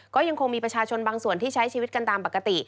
ก็ยังคงมีประชาชนบางส่วนที่ใช้ชีวิตกันตามปกติ